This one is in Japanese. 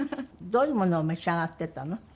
どういうものを召し上がってたの？